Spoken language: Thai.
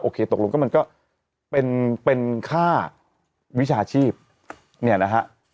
ตกลงก็มันก็เป็นค่าวิชาชีพเนี่ยนะฮะ